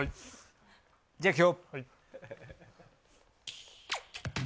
じゃあ、いくよ。